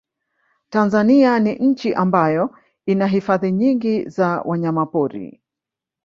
Tanzania ni nchi ambayo ina hifadhi nyingi za wanyamapori